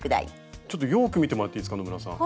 ちょっとよく見てもらっていいですか野村さん。